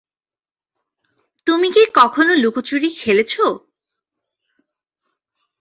তুমি কি কখনও লুকোচুরি খেলেছ?